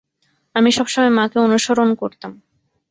আমি সবসময় মাকে অনুসরণ করতাম।